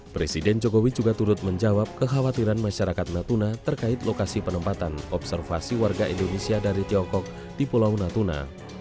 presiden jokowi juga turut menjawab kekhawatiran masyarakat natuna terkait lokasi penempatan observasi warga indonesia dari tiongkok di pulau natuna